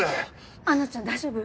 アンナちゃん大丈夫？